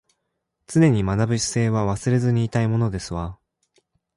常に学ぶ姿勢は忘れずにいたいものですわ